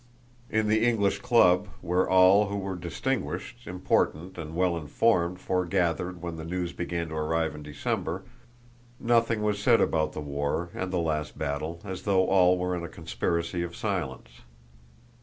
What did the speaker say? In the English Club, where all who were distinguished, important, and well informed foregathered when the news began to arrive in December, nothing was said about the war and the last battle, as though all were in a conspiracy of silence.